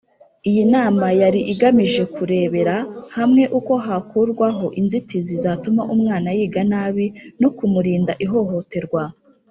Iyi inama yari igamije kurebera hamwe uko hakurwaho inzitizi zatuma umwana yiga nabi no kumurinda ihohoterwa